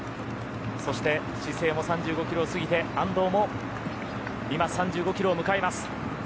そしてシセイも３５キロを過ぎて安藤も今、３５キロを迎えます。